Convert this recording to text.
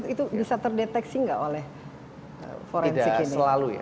itu bisa terdeteksi nggak oleh forensik ini